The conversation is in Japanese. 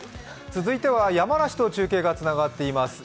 続いては山梨と中継がつながっています。